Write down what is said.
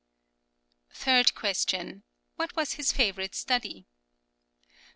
Third question: "What was his favourite study?"